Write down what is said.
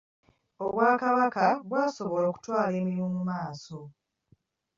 Obwakabaka bwasobola okutwala emirimu mu maaso